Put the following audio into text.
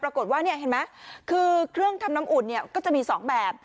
ปรากฏว่าเห็นไหมคือเครื่องทำน้ำอุ่นก็จะมี๒แบบ